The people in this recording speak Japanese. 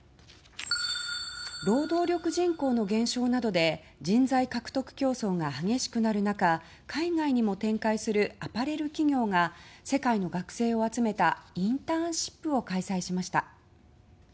労働力人口の減少などで人材獲得競争が激しくなる中海外にも展開するアパレル企業が世界の学生を集めたインターンシップを開催しました。